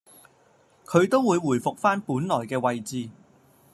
佢都會回復返本來嘅位置